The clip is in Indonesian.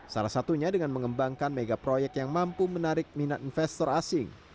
salah satunya dengan mengembangkan megaproyek yang mampu menarik minat investor asing